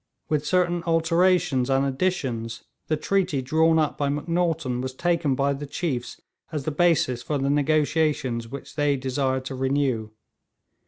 With certain alterations and additions, the treaty drawn up by Macnaghten was taken by the chiefs as the basis for the negotiations which they desired to renew.